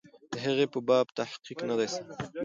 د هغې په باب تحقیق نه دی سوی.